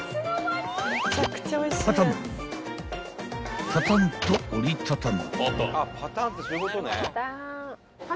［パタンと折り畳む］